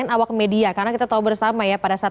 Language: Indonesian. awak media karena kita tahu bersama ya pada saat